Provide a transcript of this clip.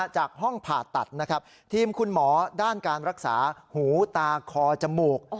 จากห้องผ่าตัดนะครับทีมคุณหมอด้านการรักษาหูตาคอจมูก